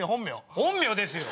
本名ですよ！